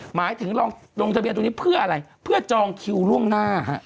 หมายถึงลองลงทะเบียนตรงนี้เพื่ออะไรเพื่อจองคิวล่วงหน้าฮะ